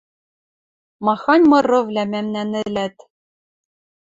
Махань мырывлӓ мӓмнӓн ӹлӓт!